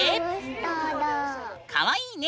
かわいいね！